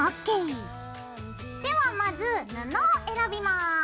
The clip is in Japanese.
ではまず布を選びます。